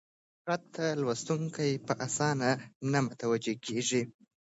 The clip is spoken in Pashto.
خط ته لوستونکي په اسانه نه متوجه کېږي: